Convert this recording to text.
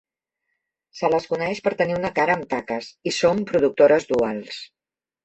Se les coneix per tenir una cara amb taques i són productores duals.